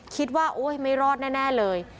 คิดว่าไม่รอดแน่เลย